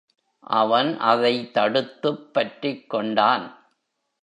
அவன் அதைத் தடுத்துப் பற்றிக்கொண்டான்.